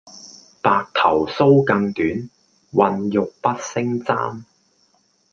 白頭搔更短，渾欲不勝簪